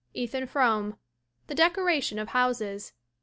Ethan Frome. The Decoration of Houses.